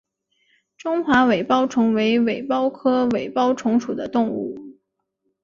中华尾孢虫为尾孢科尾孢虫属的动物。